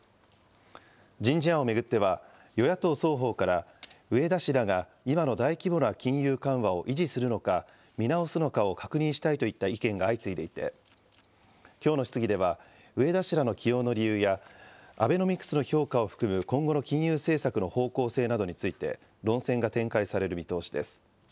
人事案を巡っては、与野党双方から植田氏らが今の大規模な金融緩和を維持するのか、見直すのかを確認したいといった意見が相次いでいて、きょうの質疑では、植田氏らの起用の理由や、アベノミクスの評価を含む今後の金融政策の方向性などについて、論戦が展開される見通しです。